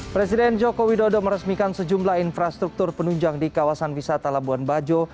presiden joko widodo meresmikan sejumlah infrastruktur penunjang di kawasan wisata labuan bajo